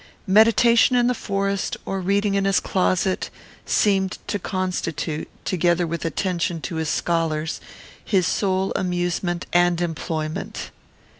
Meditation in the forest, or reading in his closet, seemed to constitute, together with attention to his scholars, his sole amusement and employment.